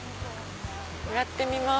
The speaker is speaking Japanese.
曲がってみます。